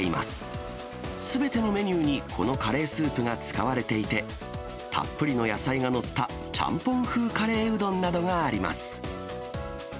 すべてのメニューにこのカレースープが使われていて、たっぷりの野菜が載ったちゃんぽん風カレーうどんなどがあります。